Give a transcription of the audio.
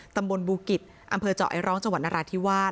ตำบลบูกิจอำเภอเจาะไอร้องจังหวัดนราธิวาส